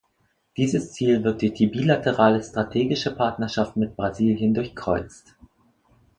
Dieses Ziel wird durch die bilaterale strategische Partnerschaft mit Brasilien durchkreuzt.